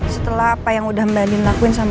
setelah apa yang udah mba andien lakuin sama roy